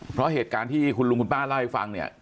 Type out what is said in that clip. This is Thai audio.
เพราะเหตุการณ์ที่คุณลุงคุณป้าเล่าให้ฟังเนี่ย